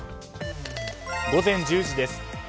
午前１０時です。